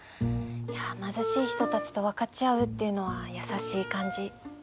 貧しい人たちと分かち合うっていうのは優しい感じ。